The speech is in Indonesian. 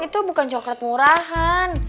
itu bukan coklat murahan